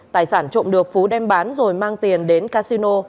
tài sản trộm được phú đem bán rồi mang tiền đến casino